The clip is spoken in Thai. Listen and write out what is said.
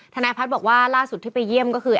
ทนายพัฒน์บอกว่าล่าสุดที่ไปเยี่ยมก็คือ